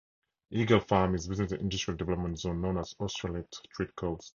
Eagle Farm is within the industrial development zone known as Australia TradeCoast.